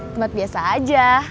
tempat biasa aja